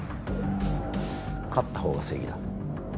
勝ったほうが正義だ。